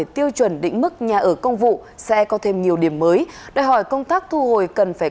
tiêu chuẩn định mức nhà ở công vụ sẽ có thêm nhiều điểm mới đòi hỏi công tác thu hồi cần phải